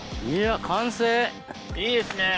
いいですね。